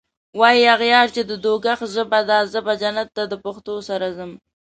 واي اغیار چی د دوږخ ژبه ده زه به جنت ته دپښتو سره ځم